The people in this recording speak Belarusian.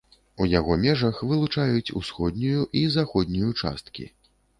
У яго межах вылучаюць усходнюю і заходнюю часткі.